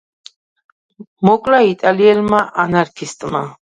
მოკლა იტალიელმა ანარქისტმა.